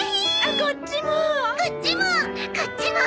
こっちも！